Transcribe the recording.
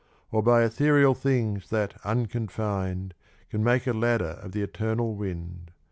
Or by ethereal things that, unconfin'd, Can make a ladder of the eternal wind.